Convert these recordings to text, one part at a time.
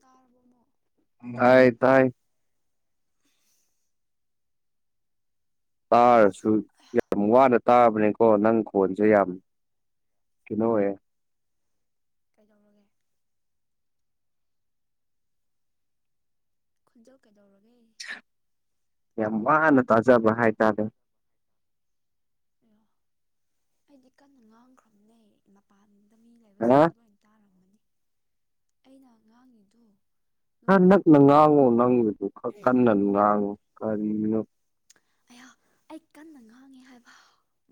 ꯇꯔꯥꯕꯣꯃꯣ ꯍꯥꯏ ꯇꯥꯏ ꯇꯥꯔꯁꯨ ꯌꯥꯝ ꯋꯥꯅ ꯇꯥꯕꯅꯤꯀꯣ ꯅꯪ ꯈꯣꯟꯁꯦ ꯌꯥꯝ ꯀꯩꯅꯣꯋꯦ ꯀꯩꯗꯧꯔꯒꯦ ꯈꯣꯟꯖꯦꯜ ꯀꯩꯗꯧꯔꯒꯦ ꯌꯥꯝ ꯋꯥꯅ ꯇꯥꯖꯕ ꯍꯥꯏꯇꯥꯔꯦ ꯑꯌꯥ ꯑꯩꯗꯤ ꯀꯟꯅ ꯉꯥꯡꯈ꯭ꯔꯕꯅꯦ ꯃꯄꯥꯟꯗ ꯃꯤ ꯑꯦ ꯂꯩꯕꯁꯤꯡꯁꯨ ꯂꯣꯏ ꯇꯥꯔꯝꯃꯅꯤ ꯑꯩꯅ ꯉꯥꯡꯉꯤꯗꯣ ꯈꯔꯥ ꯅꯛꯅ ꯉꯥꯡꯉꯣ ꯅꯪꯒꯤꯗꯨ ꯈꯔ ꯀꯟꯅ ꯉꯥꯡꯉꯨ ꯀꯔꯤꯅꯣ ꯑꯌꯥ ꯑꯩ ꯀꯟꯅ ꯉꯥꯡꯉꯦ ꯍꯥꯏꯕ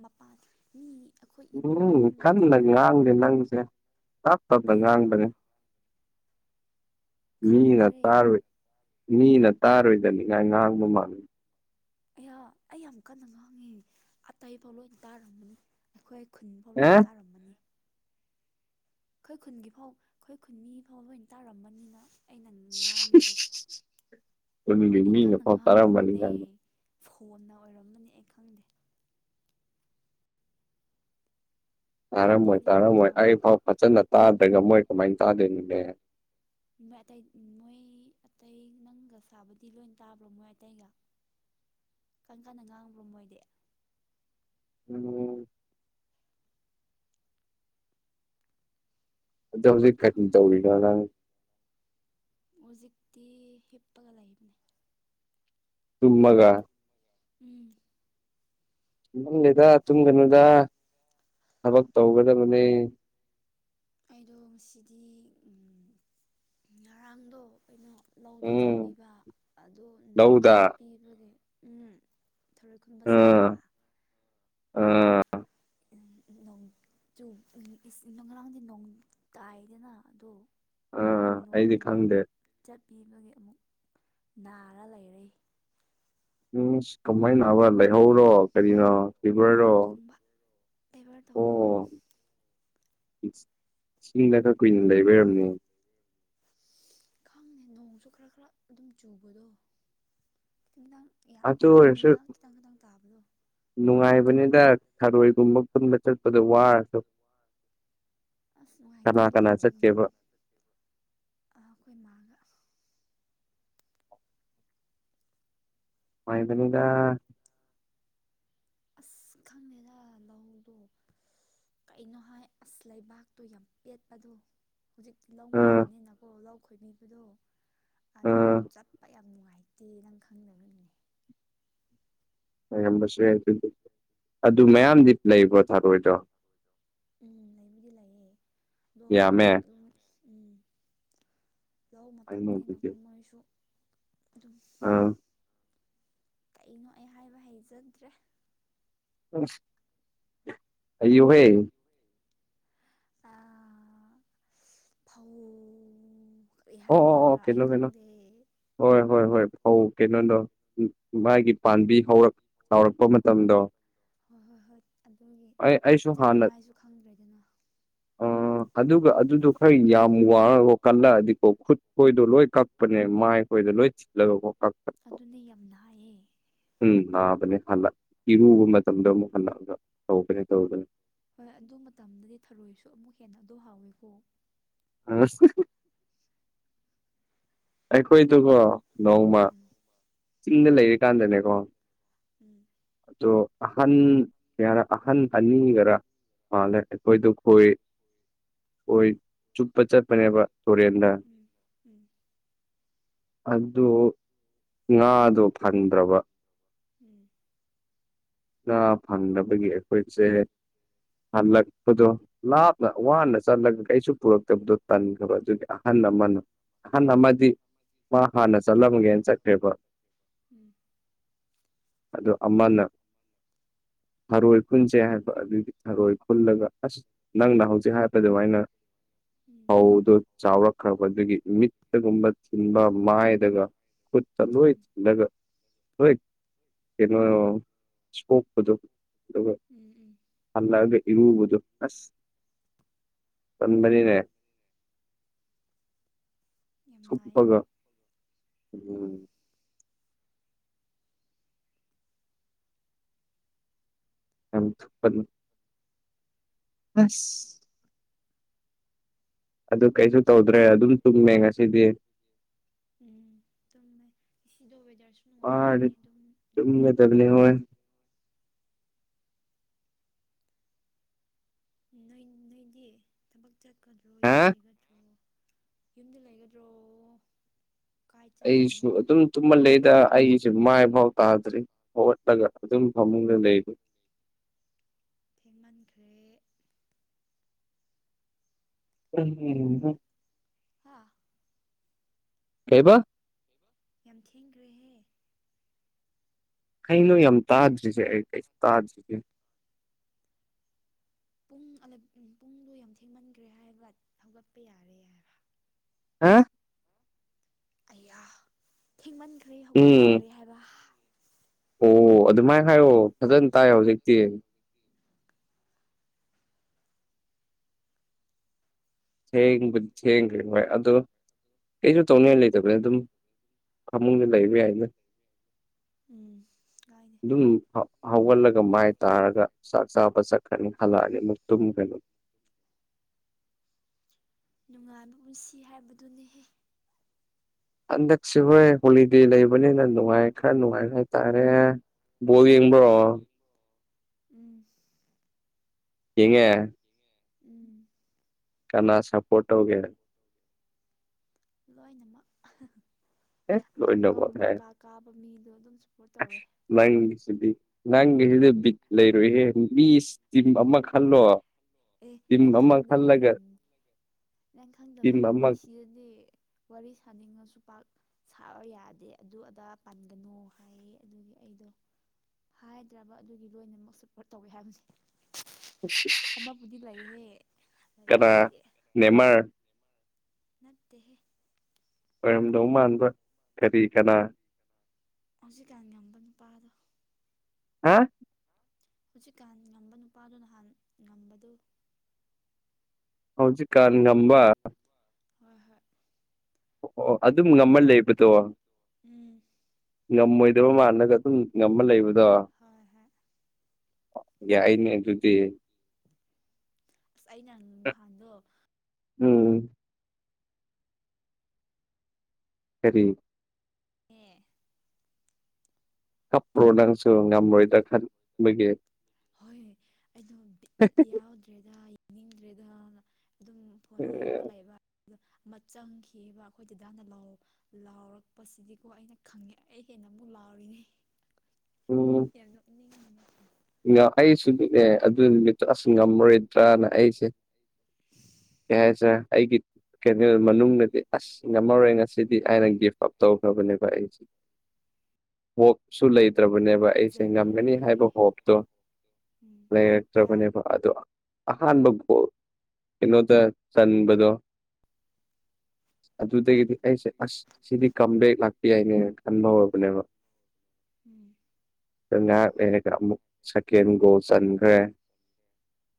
ꯃꯄꯥꯥꯟ ꯃꯤ ꯑꯩꯈꯣꯏ ꯏꯃꯨꯡ ꯎꯝ ꯃꯅꯨꯡ ꯈꯟꯅ ꯅꯠꯇꯕ ꯉꯥꯡꯗꯦ ꯅꯪꯁꯦ ꯇꯞ ꯇꯞꯅ ꯑꯌꯥ ꯉꯥꯡꯕꯅꯦ ꯃꯤꯅ ꯈꯪꯗ꯭ꯔꯦ ꯇꯥꯔꯣꯏ ꯃꯤꯅ ꯇꯥꯔꯣꯏꯗꯕꯤꯗ ꯉꯥꯡꯕ ꯃꯥꯜꯂꯦ ꯑꯩꯌꯥ ꯑꯩ ꯌꯥꯝ ꯀꯟꯅ ꯉꯥꯡꯉꯤ ꯑꯇꯩꯐꯥꯎ ꯂꯣꯏ ꯇꯥꯔꯝꯒꯅꯤ ꯑꯩꯈꯣꯏ ꯈꯨꯟꯐꯥꯎ ꯂꯣꯏ ꯑꯦ ꯇꯥꯔꯝꯃꯅꯤ ꯑꯩꯈꯣꯏ ꯈꯨꯟꯒꯤ ꯐꯥꯎ ꯑꯩꯈꯣꯏ ꯈꯨꯟ ꯃꯤ ꯐꯥꯎ ꯂꯣꯏꯅ ꯇꯥꯔꯝꯃꯅꯤꯅ ꯑꯩꯅ ꯉꯥꯡꯉꯤꯗꯣ ꯈꯨꯟꯒꯤ ꯑꯩ ꯃꯤꯅ ꯀꯟꯅ ꯐꯥꯎ ꯇꯥꯔꯝꯃꯅꯤ ꯉꯥꯡꯈ꯭ꯔꯕꯅꯦ ꯅꯪ ꯐꯣꯟꯅ ꯑꯣꯏꯔꯝꯃꯅꯤ ꯑꯩ ꯈꯪꯗꯦ ꯃꯣꯏ ꯇꯥꯔꯝꯃꯣꯏ ꯑꯇꯩꯗꯤ ꯀꯟꯅ ꯇꯥꯔꯝꯃꯣꯏ ꯉꯥꯡꯕ꯭ꯔꯣ ꯑꯩꯐꯥꯎ ꯐꯖꯅ ꯇꯥꯗ꯭ꯔꯒ ꯃꯣꯏ ꯀꯃꯥꯏꯅ ꯇꯥꯗꯣꯏꯅꯣꯅꯦ ꯃꯣꯏ ꯑꯇꯩ ꯃꯣꯏ ꯑꯇꯩ ꯅꯪꯒ ꯁꯥꯕꯗꯤ ꯂꯣꯏ ꯇꯥꯕ꯭ꯔꯣ ꯃꯣꯏ ꯑꯇꯩꯒ ꯀꯟ ꯀꯥꯟꯅ ꯉꯥꯡꯕ꯭ꯔꯣ ꯃꯣꯏꯗꯤ [unintelligible] ꯑꯗꯣ ꯍꯧꯖꯤꯛ ꯀꯔꯤ ꯇꯧꯔꯤꯅꯣ ꯈꯪꯗ꯭ꯔꯦꯗ ꯅꯪ ꯍꯧꯖꯤꯛꯇꯤ ꯍꯤꯞꯄꯒ ꯂꯩꯕꯅꯦ ꯇꯨꯝꯃꯒ ꯎꯝ ꯗꯦꯗ ꯇꯨꯝꯒꯅꯨꯗ ꯊꯕꯛ ꯇꯧꯒꯗꯕꯅꯦ ꯑꯩꯗꯣ ꯉꯁꯤꯗꯤ ꯉꯔꯥꯡꯗꯣ ꯀꯩꯅꯣ ꯂꯧꯗ ꯎꯝ ꯆꯠꯄꯤꯕ ꯑꯗꯣ ꯅꯣꯡ ꯂꯧꯗ ꯆꯣꯠꯄꯤꯕꯒꯤ ꯎꯝ ꯊꯔꯣꯏ ꯈꯨꯟꯕ ꯁꯥꯕ ꯑꯥ ꯑꯥ ꯑꯗꯣ ꯅꯣꯡ ꯆꯨ ꯉꯔꯥꯡꯗꯤ ꯅꯣꯡ ꯇꯥꯏꯗꯅ ꯑꯗꯣ ꯑꯃꯨꯛ ꯑꯥ ꯑꯩꯗꯤ ꯅꯣꯡꯗ ꯈꯪꯗꯦ ꯆꯠꯄꯤꯕꯒꯤ ꯑꯃꯨꯛ ꯅꯥꯔ ꯂꯩꯔꯦ ꯎꯁ ꯀꯃꯥꯏ ꯅꯥꯕ ꯂꯩꯍꯧꯔꯣ ꯀꯔꯤꯅꯣ ꯐꯤꯚꯔꯔꯣ ꯑꯦꯕꯔ ꯇꯧꯕ ꯍꯣꯏ ꯏꯁꯤꯡꯗꯥꯒ ꯀꯨꯏꯅ ꯂꯩꯕꯩ ꯑꯣꯏꯔꯝꯅꯤ ꯈꯪꯅꯦ ꯅꯣꯡꯁꯨ ꯈꯔ ꯈꯔ ꯑꯗꯨꯝ ꯆꯨꯕꯗꯣ [unintelligible] ꯌꯥꯝ ꯑꯗꯨ ꯑꯣꯏꯔꯁꯨ ꯇꯥꯗꯕꯤꯗ ꯈꯤꯇꯪ ꯈꯤꯇꯪ ꯇꯥꯕꯗꯣ ꯇꯧꯕ ꯅꯨꯡꯉꯥꯏꯕꯅꯤꯗ ꯊꯔꯣꯏꯒꯨꯝꯕ ꯈꯨꯟꯕ ꯆꯠꯄꯗ ꯋꯥꯔꯁꯨ ꯑꯁ ꯀꯅꯥ ꯅꯨꯡꯉꯥꯏꯇꯦ ꯀꯅꯥ ꯆꯠꯀꯦꯕ ꯂꯩꯝꯕꯤ ꯑꯥ ꯑꯩꯈꯣꯏ ꯃꯥꯥꯒ ꯅꯨꯉꯥꯏꯕꯅꯤꯗ ꯑꯁ ꯈꯪꯗꯦꯗ ꯂꯧꯍꯧꯗꯣ ꯀꯩꯅꯣ ꯍꯥꯏ ꯑꯁ ꯂꯩꯕꯥꯛꯇꯣ ꯌꯥꯝ ꯄꯦꯠꯄꯗꯣ ꯍꯧꯖꯤꯛꯇꯤ ꯂꯧ ꯑꯥ ꯃꯇꯝꯅꯤꯅꯀꯣ ꯂꯧ ꯈꯣꯏꯕꯤꯕꯗꯣ ꯑꯗꯨꯗ ꯑꯥ ꯆꯠꯄ ꯌꯥꯝ ꯅꯨꯡꯉꯥꯏꯇꯦ ꯇꯤ ꯅꯪ ꯈꯪꯗꯕꯒꯤꯅꯦ ꯑꯣꯔꯝꯕꯁꯨ ꯌꯥꯏ ꯑꯗꯨꯗꯤ ꯑꯗꯨ ꯃꯌꯥꯝꯗꯤ ꯂꯩꯕ꯭ꯔꯣ ꯊꯥꯔꯣꯏꯗꯣ ꯎꯝ ꯂꯩꯕꯨꯗꯤ ꯂꯩꯌꯦ ꯑꯗꯣ ꯌꯥꯝꯃꯦ ꯍꯧꯖꯤꯛꯇꯤ ꯎꯝ ꯂꯧ ꯑꯗꯨꯗꯤ ꯃꯇꯝꯅꯤꯅꯀꯣ ꯃꯣꯏꯁꯨ ꯑꯗꯨꯝ ꯑꯥ ꯀꯩꯅꯣ ꯑꯩ ꯍꯥꯏꯕ ꯍꯩꯖꯗ꯭ꯔꯦ ꯑꯩꯌꯨꯍꯦ ꯑ ꯐꯥꯎ ꯑꯣ ꯑꯣ ꯑꯣ ꯀꯩꯅꯣ ꯀꯩꯅꯣ ꯍꯣꯏ ꯍꯣꯏ ꯍꯣꯏ ꯐꯧ ꯀꯩꯅꯣꯗꯣ ꯃꯥꯥꯏꯒꯤ ꯄꯥꯝꯕꯤ ꯍꯧꯔꯛ ꯆꯥꯎꯥꯎꯔꯛꯄ ꯃꯇꯝꯗꯣ ꯍꯣꯏ ꯍꯣꯏ ꯍꯣꯏ ꯑꯗꯨꯒꯤ ꯑꯩ ꯑꯩꯁꯨ ꯍꯥꯟꯅ ꯆꯠꯅꯤꯡꯉꯥꯏꯁꯨ ꯈꯪꯗ꯭ꯔꯦꯗꯅ ꯑ ꯑꯗꯨꯒ ꯑꯗꯨꯗꯣ ꯈꯔ ꯌꯥꯝ ꯋꯥꯡꯉꯒ ꯀꯜꯂꯛꯑꯗꯤ ꯑꯣ ꯈꯨꯠ ꯈꯣꯏꯗꯣ ꯂꯣꯏ ꯀꯛꯄꯅꯦ ꯃꯥꯏꯈꯣꯏꯗ ꯂꯣꯏ ꯆꯤꯜꯂꯒ ꯀꯛꯄꯅꯦ ꯑꯗꯨꯅ ꯌꯥꯝꯅ ꯍꯥꯏꯌꯦ ꯎꯝ ꯅꯥꯕꯅꯦ ꯍꯜꯂꯛ ꯏꯔꯨꯕ ꯃꯇꯝꯗ ꯑꯃꯨꯛ ꯍꯜꯂꯛꯑꯒ ꯇꯧꯒꯅꯤ ꯇꯧꯒꯅꯤ ꯍꯣꯏ ꯑꯗꯨ ꯃꯇꯝꯗꯗꯤ ꯊꯔꯣꯏꯁꯨ ꯑꯃꯨꯛ ꯍꯦꯟꯅ ꯑꯗꯨ ꯍꯥꯎꯋꯦꯀꯣ ꯑ ꯎꯝ ꯎꯝ ꯎꯝ ꯎꯝ ꯎꯝ ꯎꯝ ꯎꯝ ꯑꯩꯈꯣꯏꯗꯨꯀꯣ ꯅꯣꯡꯃ ꯆꯤꯡꯗ ꯂꯩꯔꯤꯀꯥꯟꯗꯅꯦꯀꯣ ꯎꯝ ꯣ ꯑꯍꯟ ꯀ ꯍꯥꯏꯔ ꯑꯍꯟ ꯑꯅꯤꯒꯔ ꯃꯥꯜꯂꯦ ꯑꯩꯈꯣꯏꯗ ꯈꯣꯏ ꯈꯣꯏ ꯆꯨꯞꯄ ꯆꯠꯄꯅꯦꯕ ꯁꯨꯔꯦꯟꯗ꯭ꯔ ꯑꯗꯨ ꯉꯥꯗꯣ ꯐꯪꯗ꯭ꯔꯕ ꯎꯝ ꯐꯪꯅꯕꯒꯤ ꯑꯩꯈꯣꯏꯁꯦ ꯍꯜꯂꯛꯄꯗꯣ ꯂꯥꯞꯅ ꯋꯥꯅ ꯆꯠꯂꯒ ꯀ ꯑꯩꯁꯨ ꯄꯨꯔꯛꯇꯕꯗꯣ ꯇꯟꯈ꯭ꯔꯕ ꯑꯗꯨꯒꯤ ꯑꯍꯟ ꯑꯃꯅꯣ ꯑꯍꯟ ꯑꯃꯗꯤ ꯃꯥ ꯍꯥꯟꯅ ꯆꯠꯂꯝꯒꯦꯅ ꯆꯠꯈ꯭ꯔꯦꯕ ꯎꯝ ꯑꯗꯨꯗꯣ ꯑꯃꯅ ꯍꯥꯔꯣꯏ ꯈꯨꯟꯁꯦ ꯍꯥꯏꯕ ꯑꯗꯨꯗꯤ ꯍꯥꯔꯣꯏ ꯈꯨꯜꯂꯒ ꯑꯁ ꯅꯪꯅ ꯍꯧꯖꯤꯛ ꯍꯥꯏꯄꯗꯨꯥꯏꯅ ꯐꯧꯗꯨ ꯆꯥꯎꯔꯛꯈ꯭ꯔꯕꯗꯨꯒꯤ ꯃꯤꯠꯇꯒꯨꯝꯕ ꯊꯤꯟꯕ ꯃꯥꯏꯗꯒ ꯆ ꯂ ꯎꯝ ꯎꯝ ꯑꯣꯏꯣꯏ ꯀꯩꯅ ꯏꯁꯀꯣꯞꯄꯗꯣ ꯑꯗꯨꯒ ꯎꯝ ꯎꯝ ꯍꯜꯂꯑꯒ ꯏꯔꯨꯕꯗꯨ ꯑꯁ ꯆꯟꯕꯅꯤꯅꯦ ꯌꯥꯝ ꯅꯥꯏ ꯍ ꯊꯨꯞꯄꯒ ꯎꯝ ꯌꯥꯝ ꯑꯁ ꯑꯗꯨ ꯀꯩꯁꯨ ꯇꯧꯗ꯭ꯔꯦ ꯑꯗꯨꯝ ꯆꯨꯝꯃꯦ ꯉꯁꯤꯗꯤ ꯎꯝ ꯑꯗꯨꯝꯃꯦ ꯁꯤꯗꯣ ꯋꯦꯗꯔꯁꯨ ꯅꯨꯡꯉꯥꯏꯇꯦ ꯋꯥꯔꯗꯤ ꯑꯗꯨꯝ ꯅꯣꯡ ꯌꯥꯝ ꯇꯨꯝꯒꯗꯕꯅꯤ ꯃꯥꯡꯉꯦ ꯍꯣꯏ ꯅꯣꯢ ꯅꯣꯏꯗꯤ ꯊꯕꯛ ꯆꯠꯀꯗ꯭ꯔꯣ ꯍꯥ ꯌꯨꯝ ꯂꯩꯒꯗ꯭ꯔꯣ ꯌꯨꯝꯗ ꯂꯩꯒꯗ꯭ꯔꯣ ꯀꯥꯏ ꯑꯩꯁꯨ ꯆꯠꯇꯣꯏꯅꯣ ꯑꯗꯨꯝ ꯇꯨꯝꯃꯟ ꯂꯩꯗ ꯑꯩꯁꯦ ꯃꯥꯏꯐꯥꯎ ꯇꯥꯗ꯭ꯔꯤ ꯍꯧꯒꯠꯄꯒ ꯑꯗꯨꯝ ꯐꯃꯨꯡꯗ ꯂꯩꯔꯤ ꯊꯦꯡꯃꯟꯈ꯭ꯔꯦ ꯎꯝ ꯄꯨꯡ ꯍꯥꯥ ꯀꯩꯕ ꯌꯥꯝ ꯊꯦꯡꯈ꯭ꯔꯦꯍꯦ ꯀꯩꯅꯣ ꯌꯥꯝ ꯇꯥꯗ꯭ꯔꯤꯁꯦ ꯑꯩ ꯀꯩꯁꯨ ꯇꯥꯗ꯭ꯔꯤꯁꯦ ꯄꯨꯡ ꯄꯨꯡꯗꯣ ꯌꯥꯝ ꯊꯦꯡꯃꯟꯈ꯭ꯔꯦ ꯍꯥꯏꯕ ꯍꯧꯒꯠꯄ ꯌꯥꯔꯦ ꯍꯥꯏꯕ ꯍꯥ ꯑꯌꯥ ꯊꯦꯡꯃꯟꯈ꯭ꯔꯦ ꯍꯧꯒꯠꯄ ꯎꯝ ꯌꯥꯔꯦ ꯍꯥꯏꯕ ꯑꯣ ꯑꯗꯨꯃꯥꯏꯅ ꯍꯥꯏꯌꯣ ꯐꯖꯅ ꯇꯥꯏ ꯍꯧꯖꯤꯛꯇꯤ ꯊꯦꯡꯕꯨꯗꯤ ꯊꯦꯡꯈ꯭ꯔꯦ ꯍꯣꯏ ꯑꯗꯣ ꯀꯩꯁꯨ ꯇꯧꯅꯤꯡꯉꯥꯏ ꯂꯩꯇꯕꯅ ꯑꯗꯨꯝ ꯐꯃꯨꯡꯗ ꯂꯩꯕ ꯌꯥꯏꯅ ꯎꯝ ꯀꯥꯏꯗꯦ ꯎꯝ ꯍꯧꯒꯠꯂꯒ ꯃꯥꯏ ꯇꯥꯔꯒ ꯆꯥꯛ ꯆꯥꯕ ꯆꯠꯈ꯭ꯔꯅꯤ ꯍꯜꯂꯛꯑꯗꯤ ꯑꯃꯨꯛ ꯇꯨꯝꯈ꯭ꯔꯅꯤ ꯅꯨꯡꯉꯥꯏꯕ ꯄꯨꯟꯁꯤ ꯍꯥꯏꯕꯗꯨꯅꯤꯍꯦ ꯍꯟꯗꯛꯁꯦ ꯍꯣꯏ ꯍꯣꯂꯤꯗꯦ ꯂꯩꯕꯅꯤꯅ ꯅꯨꯡꯉꯥꯏ ꯈꯔ ꯅꯨꯡꯉꯥꯏ ꯍꯥꯏꯇꯥꯔꯦ ꯚꯣꯜ ꯌꯦꯡꯕ꯭ꯔꯣ ꯎꯝ ꯌꯦꯉꯦ ꯎꯝ ꯀꯅꯥ ꯁꯄꯣꯔꯠ ꯇꯧꯒꯦ ꯂꯣꯏꯅꯃꯛ ꯑꯦ ꯉꯝ ꯂꯣꯏꯅꯃꯛ ꯉꯝꯕ ꯍꯥꯏ ꯀꯥ ꯀꯥꯕ ꯃꯤꯗꯣ ꯑꯗꯨꯝ ꯁꯞꯄꯣꯔꯠ ꯇꯧꯔꯦ [unintelligible] ꯅꯪꯒꯤꯁꯤꯗꯤ ꯕꯤꯠ ꯂꯩꯔꯣꯏꯍꯦ ꯃꯤ ꯏꯁ ꯇꯤꯝ ꯑꯃ ꯈꯜꯂꯣ ꯑꯦ ꯇꯤꯝ ꯅꯪ ꯑꯃ ꯈꯜꯂꯒ ꯈꯪꯗꯕꯒꯤꯅꯤ ꯅꯪ ꯇꯤꯝ ꯑꯃ ꯈꯪꯗꯕꯒꯤꯅꯤ ꯁꯤꯗꯗꯤ ꯋꯥꯔꯤ ꯁꯥꯅꯤꯡꯉꯁꯨ ꯄꯥꯛ ꯁꯥꯕ ꯌꯥꯗꯦ ꯑꯗꯨ ꯑꯗꯥ ꯄꯥꯟꯒꯅꯨ ꯍꯥꯏꯌꯦ ꯑꯗꯨꯒꯤ ꯑꯩꯗꯣ ꯍꯥꯏꯗ꯭ꯔꯕ ꯑꯗꯨꯒꯤ ꯂꯣꯏꯅꯃꯛ ꯁꯞꯄꯣꯔꯠ ꯇꯧꯋꯤ ꯍꯥꯏꯕꯅꯤ [inaudible] [unintelligible] ꯑꯃꯕꯨꯗꯤ ꯂꯩꯍꯦ ꯀꯅꯥ ꯂꯩꯔꯕꯨꯗꯤ ꯅꯦꯃꯔ ꯅꯠꯇꯦꯍꯦ ꯑꯣꯏꯔꯝꯗꯧ ꯃꯥꯟꯕ ꯀꯔꯤ ꯀꯅꯥ ꯍꯧꯖꯤꯛꯀꯥꯟ ꯉꯝꯕ ꯅꯨꯄꯥꯗꯣ ꯍꯥ ꯍꯧꯖꯤꯛꯀꯥꯟ ꯉꯝꯕ ꯅꯨꯄꯥꯗꯣ ꯅꯍꯥꯟ ꯉꯝꯕꯗꯣ ꯍꯧꯖꯤ ꯀꯥꯥꯟ ꯉꯝꯕ ꯍꯣꯏ ꯍꯣꯏ ꯑꯣ ꯑꯗꯨꯝ ꯉꯝꯃ ꯂꯩꯕꯗꯣ ꯎꯝ ꯉꯝꯃꯣꯏꯗꯕ ꯃꯥꯟꯂꯒ ꯑꯗꯨꯝ ꯉꯃ ꯂꯩꯕꯗꯣ ꯍꯣꯏ ꯍꯣꯏ ꯌꯥꯏꯅꯦ ꯑꯗꯨꯗꯤ ꯑꯁ ꯑꯩꯅ ꯅꯍꯥꯟꯗꯣ ꯎꯝ ꯀꯔꯤ ꯑꯦ ꯀꯞꯄ꯭ꯔꯣ ꯅꯪꯁꯨ ꯉꯝꯃꯔꯣꯏꯗ ꯈꯟꯕꯒꯤ ꯍꯣꯏ ꯑꯩꯅꯣ ꯕꯤꯠꯇꯤ ꯌꯥꯎꯗ꯭ꯔꯦꯗ ꯌꯦꯡꯅꯤꯡꯗ꯭ꯔꯦꯗꯅ ꯑꯗꯨꯝ ꯐꯣꯟ ꯌꯦꯡꯉꯒ ꯂꯩꯕ ꯑꯗꯨ ꯑꯃ ꯆꯪꯈꯤ ꯑꯕ ꯑꯩꯈꯣꯏ ꯗꯥꯗꯥꯅ ꯂꯥꯎ ꯂꯥꯎꯔꯛꯄꯁꯤꯗꯤꯀꯣ ꯑꯩꯅ ꯈꯪꯉꯦ ꯑꯩ ꯍꯦꯟꯅ ꯑꯃꯨꯛ ꯂꯥꯎꯔꯤꯅꯦ ꯎꯝ ꯌꯥꯝ ꯅꯣꯛꯅꯤꯡ ꯑꯩꯁꯨꯅꯤꯅꯦ ꯑꯗꯨ ꯅꯨꯃꯤꯠꯇꯨ ꯑꯁ ꯉꯝꯃꯔꯣꯏꯗ꯭ꯔꯅ ꯑꯩꯁꯦ ꯀꯩ ꯍꯥꯏꯁꯤꯔ ꯑꯩꯒꯤ ꯀꯩꯅꯣ ꯃꯅꯨꯡꯗꯗꯤ ꯑꯁ ꯉꯝꯃꯔꯣꯏ ꯉꯁꯤꯗꯤ ꯑꯩꯅ ꯒꯤꯐ ꯑꯞ ꯇꯧꯈ꯭ꯔꯕꯅꯦꯕ ꯑꯩꯁꯤ ꯍꯣꯞꯁꯨ ꯂꯩꯇ꯭ꯔꯕꯅꯦꯕ ꯑꯩꯁꯦ ꯐꯖꯅ ꯉꯝꯒꯅꯤ ꯅꯩꯔꯛꯑꯦ ꯍꯥꯏꯕ ꯍꯣꯞ ꯇꯣ ꯎꯝ ꯌꯥꯎ ꯂꯩꯔꯛꯇ꯭ꯔꯕꯅꯦꯕ ꯑꯗꯣ ꯑꯍꯥꯟꯕ ꯕꯣꯜ ꯀꯩꯅꯣꯗ ꯆꯟꯕꯗꯣ [inaudible] ꯑꯗꯨꯗꯒꯤꯗꯤ ꯑꯩꯁꯦ ꯑꯁ ꯁꯤꯗꯤ ꯀꯝꯕꯦꯛ ꯂꯥꯛꯄ ꯌꯥꯏꯅꯦꯅ ꯈꯟꯕ ꯍꯧꯔꯕꯅꯦꯕ [unintelligible] ꯉꯩꯍꯥꯛ ꯂꯩꯔꯒ ꯑꯃꯨꯛ ꯁꯦꯀꯦꯟ ꯒꯣꯜ ꯆꯟꯈ꯭ꯔꯦ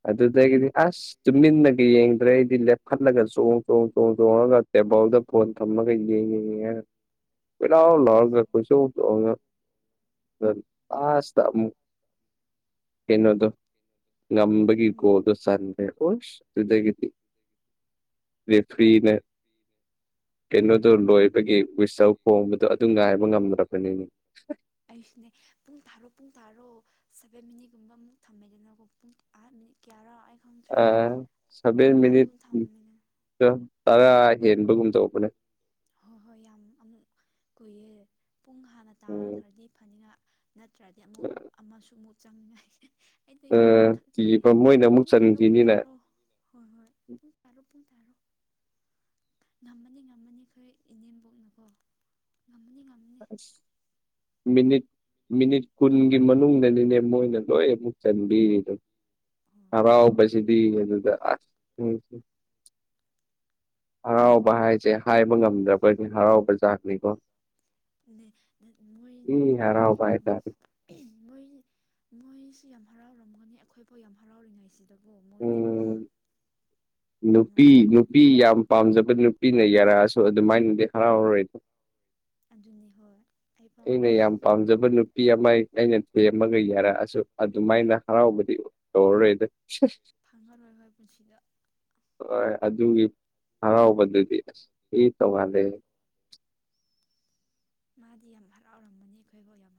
ꯑꯗꯨꯗꯒꯤꯗꯤ ꯑꯁ ꯇꯨꯃꯤꯟꯅꯒ ꯌꯦꯡꯗ꯭ꯔꯦ ꯑꯩꯗꯤ ꯂꯦꯞꯈꯠꯂꯒ ꯆꯣꯡ ꯆꯣꯡ ꯆꯣꯡ ꯆꯣꯡꯉꯒ ꯇꯦꯕꯦꯜꯗ ꯐꯣꯟ ꯊꯝꯃꯒ ꯌꯦꯡꯉꯤ ꯉꯩꯗ ꯀꯣꯏꯂꯥꯎ ꯂꯥꯎꯔꯒ ꯀꯣꯏꯆꯣꯡ ꯆꯣꯡꯉ ꯔꯟ ꯑꯥꯁ ꯇ ꯑꯃꯨꯛ ꯀꯩꯅꯣꯗꯣ ꯉꯝꯕꯒꯤ ꯎꯝ ꯒꯣꯜꯗꯣ ꯆꯟꯈ꯭ꯔꯦ ꯑꯣꯁ ꯑꯗꯨꯗꯒꯗꯤ ꯔꯦꯐ꯭ꯔꯤꯅꯦ ꯀꯩꯅꯣꯗꯣ ꯂꯣꯏꯕꯒꯤ ꯋꯤꯁꯆꯦꯜ ꯈꯣꯡꯕꯗꯣ ꯑꯗꯨ ꯉꯥꯏꯕ ꯉꯝꯗ꯭ꯔꯕꯅꯤꯅꯦ ꯑꯩꯁꯨꯅꯦ ꯄꯨꯡ ꯇꯥꯔꯣ ꯄꯨꯡ ꯇꯥꯔꯣ ꯁꯕꯦꯟ ꯃꯤꯅꯤꯠꯒꯨꯝꯕ ꯑꯃꯨꯛ ꯊꯝꯃꯦꯗꯅꯀꯣ ꯄꯨꯡ ꯑ ꯃꯤꯅꯤꯠ ꯀꯌꯥꯔꯥ ꯑꯩ ꯈꯪꯗ꯭ꯔꯦ ꯑ ꯁꯚꯦꯟ ꯃꯤꯅꯤꯠ ꯑꯗꯨꯝ ꯊꯝꯃꯤꯅꯦ ꯇꯔꯥ ꯍꯦꯟꯕꯒꯨꯝ ꯇꯧꯕꯅꯦ ꯍꯣꯏ ꯍꯣꯏ ꯌꯥꯝ ꯑꯃꯨꯛ ꯀꯨꯏꯌꯦ ꯄꯨꯡ ꯍꯥꯟꯅ ꯎꯝ ꯇꯥꯈ꯭ꯔꯗꯤ ꯐꯅꯤꯅ ꯅꯠꯇ꯭ꯔꯗꯤ ꯑꯃꯨꯛ ꯑꯃꯁꯨ ꯑꯃꯨꯛ ꯆꯪꯉꯩ ꯑꯩꯗꯤ ꯌꯥꯝ ꯄꯥꯈꯠꯂꯤꯅꯦ ꯀꯤꯕ ꯃꯣꯏꯅ ꯑꯃꯨꯛ ꯄꯨꯡ ꯇꯥꯔꯣ ꯄꯨꯡ ꯆꯟꯈꯤꯅꯤꯅ ꯇꯥꯔꯣ ꯍꯣꯏ ꯍꯣꯏ ꯄꯨꯡ ꯇꯥꯔꯣ ꯄꯨꯡ ꯇꯥꯔꯣ ꯉꯝꯃꯅꯤ ꯉꯝꯃꯅꯤ ꯍꯣꯏ ꯏꯅꯦꯝꯕꯣꯛꯅ ꯀꯣ ꯉꯝꯃꯅꯤ ꯉꯝ ꯑꯁ ꯃꯤꯅꯤꯠ ꯃꯤꯅꯤꯠ ꯀꯨꯟꯒꯤ ꯃꯅꯨꯡꯗꯅꯤꯅꯦ ꯃꯣꯏꯅ ꯂꯣꯏ ꯑꯃꯨꯛ ꯆꯟꯕꯤꯔꯤꯗꯣ ꯍꯣꯏ ꯍꯔꯥꯎꯕꯖꯤꯗꯤ ꯑꯗꯨꯗ ꯑꯁ ꯎꯝ ꯍꯔꯥꯎꯕ ꯍꯥꯏꯁꯦ ꯍꯥꯏꯕ ꯉꯝꯗꯕꯒꯤ ꯍꯔꯥꯎꯕ ꯖꯥꯠꯅꯤꯀꯣ ꯅꯦ ꯅꯣꯏ ꯃꯣꯏ ꯏ ꯍꯔꯥꯎꯕ ꯎꯝ ꯍꯥꯏꯇꯥꯔꯦ ꯎꯝ ꯃꯣꯏ ꯃꯣꯏꯁꯨ ꯌꯥꯝ ꯍꯔꯥꯎꯔꯝꯒꯅꯤ ꯑꯩꯈꯣꯏꯐꯥꯎ ꯌꯥꯝ ꯍꯔꯥꯎꯔꯤꯉꯩꯁꯤ ꯇꯒꯣ ꯃꯣꯏꯗꯤ ꯋꯥ ꯎꯝ ꯌꯥꯝ ꯅꯨꯄꯤ ꯅꯨꯡꯉꯥꯏꯔꯝꯃꯅꯤ ꯅꯨꯄꯤ ꯌꯥꯝ ꯄꯥꯝꯖꯕ ꯅꯨꯄꯤꯅ ꯌꯥꯔꯛꯑꯁꯨ ꯑꯗꯨꯃꯥꯏꯅꯗꯤ ꯍꯔꯥꯎꯔꯣꯏꯗ ꯑꯗꯨꯅꯤ ꯍꯣꯏ ꯑꯩꯐꯥꯎ ꯑꯩꯅ ꯌꯥꯝ ꯄꯥꯝꯖꯕ ꯅꯨꯄꯤ ꯑꯃ ꯑꯩꯅ ꯊꯦꯝꯃꯒ ꯌꯥꯔꯛꯑꯁꯨ ꯑꯗꯨꯃꯥꯏꯅ ꯍꯔꯥꯎꯕꯗꯤ ꯇꯧꯔꯣꯏꯗ ꯐꯪꯉꯔꯣꯏ ꯑꯩꯈꯣꯏ ꯄꯨꯟꯁꯤꯗ ꯍꯣꯏ ꯑꯗꯨꯒꯤ ꯍꯔꯥꯎꯕꯗꯨꯗꯤ ꯑꯁ ꯏ ꯎꯝ ꯇꯣꯡꯉꯥꯜꯂꯦ ꯃꯥꯗꯤ ꯌꯥꯝ ꯍꯔꯥꯎꯔꯝꯃꯅꯤ ꯑꯩꯈꯣꯏꯐꯥꯎ ꯌꯥꯝ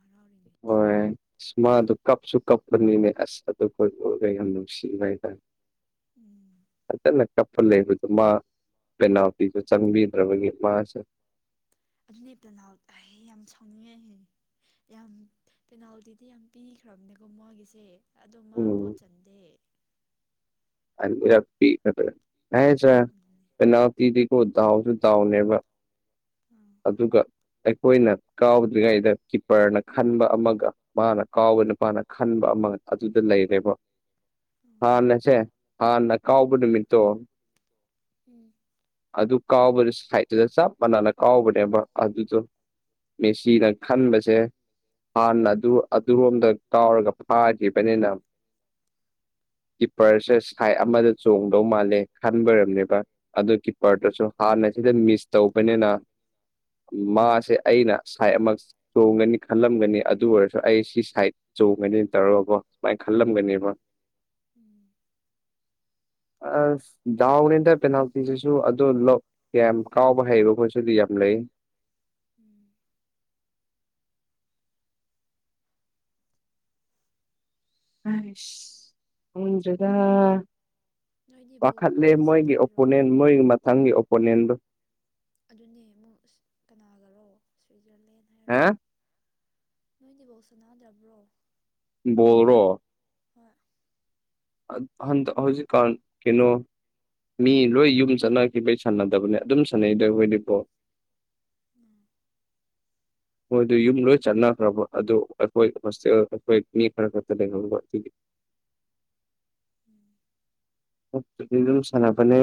ꯍꯣꯏ ꯍꯔꯥꯎꯔꯤꯉꯩꯁꯤꯗ ꯑꯁ ꯃꯥ ꯑꯗꯨ ꯀꯞꯁꯨ ꯀꯄꯅꯤꯅꯦ ꯑꯁ ꯑꯗꯨꯏ ꯈꯣꯏ ꯄꯨꯛ ꯌꯥꯝ ꯅꯨꯡꯁꯤꯅꯦ ꯇꯔꯦ ꯎꯝ [inaudible] [unintelligible] ꯀꯞꯄ ꯂꯩꯕꯗꯨ ꯃꯥ ꯄꯦꯅꯜꯇꯤꯗꯨ ꯆꯪꯕꯤꯗ꯭ꯔꯕꯒꯤ ꯃꯥꯁꯨ ꯑꯗꯨꯅꯦ ꯄꯦꯅꯜ ꯑꯩ ꯌꯥꯝ ꯁꯥꯎꯅꯤꯡꯉꯦ ꯌꯝ ꯄꯦꯅꯥꯜꯇꯤꯗꯤ ꯌꯥꯝ ꯄꯤꯈ꯭ꯔꯕꯅꯦꯀꯣ ꯃꯣꯏꯒꯤꯁꯦ ꯑꯗꯨ ꯃꯥ ꯑꯝꯐꯥꯎ ꯎꯝ ꯆꯟꯗꯦ ꯑꯗꯨꯅꯦ [unintelligible] ꯇꯤꯗꯤꯀꯣ ꯗꯥꯎꯁꯨ ꯗꯥꯎꯅꯦꯕ ꯑꯥ ꯑꯗꯨꯒ ꯑꯩꯈꯣꯏꯅ ꯀꯥꯎꯗ꯭ꯔꯤꯉꯩꯗ ꯀꯤꯞꯄꯔꯅ ꯈꯟꯕ ꯑꯃꯒ ꯃꯥꯅ ꯀꯥꯎꯕ ꯅꯨꯄꯥꯅ ꯈꯟꯕ ꯑꯃ ꯑꯗꯨꯗ ꯂꯩꯔꯦꯕ ꯑꯥ ꯍꯥꯟꯅꯁꯦ ꯍꯥ ꯅ ꯀꯥꯎꯕ ꯑꯥ ꯅꯨꯃꯤꯠꯇꯣ ꯎꯝ ꯑꯗꯨ ꯀꯥꯎꯕꯗꯨꯠꯇꯗ ꯆꯞ ꯃꯅꯥꯅ ꯀꯥꯎꯕꯅꯦꯕ ꯑꯗꯨꯗꯣ ꯃꯦꯁꯤꯗ ꯈꯟꯕꯁꯦ ꯍꯥꯟꯅ ꯑꯗꯨ ꯑꯗꯨꯔꯣꯝꯗ ꯀꯥꯎꯔꯒ ꯐꯥꯈꯤꯕꯅꯤꯅ ꯀꯤꯄꯔꯁꯦ ꯁꯥꯏꯠ ꯑꯃꯗ ꯆꯣꯡꯗꯧ ꯃꯥꯜꯂꯦ ꯈꯟꯕꯤꯔꯝꯅꯦꯕ ꯑꯗꯨ ꯀꯤ ꯎꯝ ꯄꯔꯠꯇꯨꯁꯨ ꯍꯥꯟꯅꯁꯤꯗ ꯃꯤꯁ ꯇꯧꯕꯅꯤꯅ ꯃꯥꯁꯦ ꯑꯩꯅ ꯁꯥꯏꯠ ꯑꯃ ꯆꯣꯡꯒꯅꯤ ꯈꯜꯂꯝꯒꯅꯤ ꯑꯗꯨ ꯑꯣꯏꯔꯁꯨ ꯑꯩ ꯁꯤ ꯁꯥꯏꯠ ꯆꯣꯡꯒꯅꯤ ꯇꯧꯔꯒꯕꯣ ꯁꯨꯃꯥꯏꯅ ꯎꯝ ꯈꯜꯂꯝꯒꯅꯦꯕ ꯎꯝ ꯑꯁ ꯗꯥꯎꯅꯤꯗ ꯄꯦꯅꯥꯜꯇꯤꯁꯤꯁꯨ ꯑꯗꯨ ꯂꯧ ꯌꯥꯝ ꯀꯥꯎꯕ ꯍꯩꯕ ꯃꯣꯏꯁꯨꯗꯤ ꯌꯥꯝ ꯂꯩ ꯎꯝ ꯍꯥꯏꯁ [unintelligible] ꯅꯣꯏꯗꯤ ꯄꯥꯈꯠꯂꯦ ꯕꯣꯜꯒꯨꯝꯕꯗꯤ ꯃꯣꯏꯒꯤ ꯁꯥꯟꯅꯗ꯭ꯔꯣ ꯑꯣꯄꯣꯅꯦꯟ ꯃꯣꯏꯒꯤ ꯃꯊꯪꯒꯤ ꯑꯣꯄꯣꯅꯦꯟꯗ‌‌ꯣ ꯑꯗꯨꯅꯦ ꯑꯃꯨꯛ ꯑꯁ‌ ꯀꯅꯥꯒꯔꯣ ꯁ꯭ꯋꯤꯠꯖꯔꯂꯦꯟ ꯍꯥꯏꯔꯣ ꯍꯥ ꯅꯣꯏ ꯗꯤ ꯕ‌ꯣꯜ ꯁꯅꯥꯗ꯭ꯔꯕ꯭ꯔꯣ ꯕ‌ꯣꯜꯔꯣ ꯍꯣꯏ ꯍꯟ ꯍꯟꯇꯛ ꯍꯧꯖꯤꯛꯟ ꯀꯩꯅꯣ ꯃꯤ ꯂꯣꯏ ꯌꯨꯝ ꯆꯠꯅꯈꯤꯕꯩ ꯁꯥꯟꯅꯗꯕꯅꯦ ꯑꯗꯨꯝ ꯁꯥꯟꯅꯩꯗꯣ ꯑꯩꯈꯣꯏꯗꯤ ꯀ‌‌ꯣ ꯎꯝ ꯃꯣꯏ ꯑꯗꯨ ꯌꯨꯝ ꯂꯣꯏ ꯆꯠꯅꯈ꯭ꯔꯕ ꯑꯗꯣ ꯑꯩꯈꯣꯏ ꯍꯣꯁꯇꯦꯜ ꯑꯩꯈꯣꯏ ꯃꯤ ꯈꯔ ꯈꯛꯇ ꯂꯩꯍꯧꯕ [inaudible] ꯑꯗꯨ ꯁꯅꯥꯄꯅꯦ